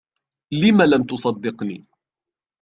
لمَ لم تصدقني ؟